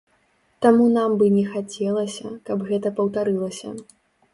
Таму нам бы не хацелася, каб гэта паўтарылася.